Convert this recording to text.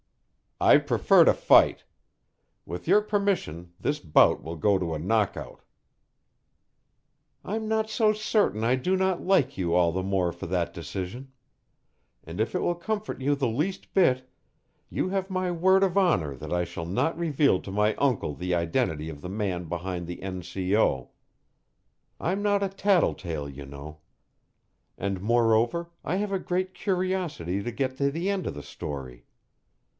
"I prefer to fight. With your permission this bout will go to a knockout." "I'm not so certain I do not like you all the more for that decision. And if it will comfort you the least bit, you have my word of honour that I shall not reveal to my uncle the identity of the man behind the N. C. O. I'm not a tattletale, you know, and moreover I have a great curiosity to get to the end of the story.